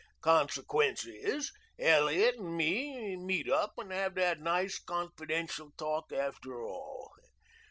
Consequence is, Elliot and me meet up and have that nice confidential talk after all.